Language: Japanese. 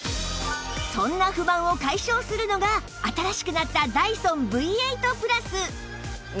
そんな不満を解消するのが新しくなったダイソン Ｖ８ プラス！